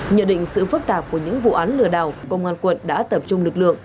nhờ định sự phức tạp của những vụ án lừa đảo công an quận đã tập trung lực lượng